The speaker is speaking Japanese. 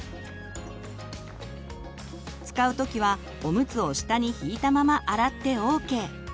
使う時はおむつを下に引いたまま洗ってＯＫ。